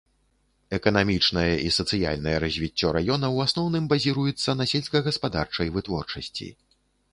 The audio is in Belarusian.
Эканамічнае і сацыяльнае развіццё раёна ў асноўным базіруецца на сельскагаспадарчай вытворчасці.